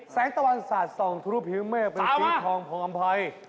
แสงตะวันสัตว์ส่องทุนุพันธาตุผิวแม่เป็นสีทองพออัพพันธาตุ